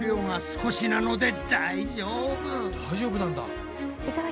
大丈夫なんだ。